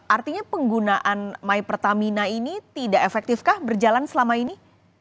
artinya penggunaan my pertamina ini tidak efektifkah berjalan selama ini